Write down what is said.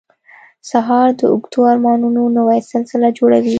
سهار د اوږدو ارمانونو نوې سلسله جوړوي.